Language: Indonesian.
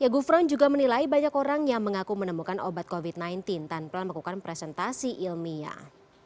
gufron juga menilai banyak orang yang mengaku menemukan obat covid sembilan belas tanpa melakukan presentasi ilmiah